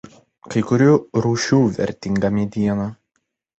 Kai kurių rūšių vertinga mediena.